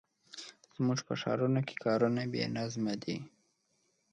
زموږ په ښارونو کې کارونه بې نظمه دي.